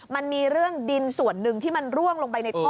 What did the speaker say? มันมีเรื่องดินส่วนหนึ่งที่มันร่วงลงไปในท่อ